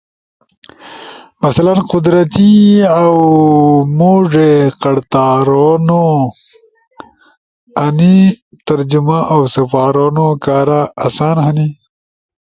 مثلاً قدرتی اؤ موڙے قڑتارونو[انی جمہ او سپارونو کارا اسان ہنی]